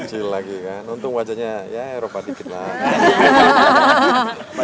kecil lagi kan untung wajarnya ya eropa di pindang